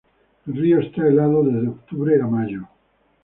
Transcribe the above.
El río está helado desde octubre a mayo.